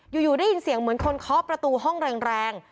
อยู่ได้ยินเสียงเหมือนคนเคาะประตูห้องแรง